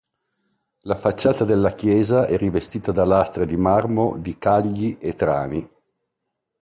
La facciata della chiesa è rivestita da lastre di marmo di Cagli e Trani.